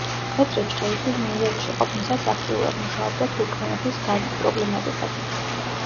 პეტრე ჩხეიძე ნიუ-იორკში ყოფნისას აქტიურად მუშაობდა თურქმენეთის გაზის პრობლემატიკაზე.